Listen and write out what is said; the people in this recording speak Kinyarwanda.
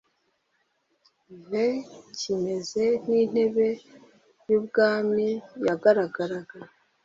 v kimeze nk intebe y ubwamiw yagaragaraga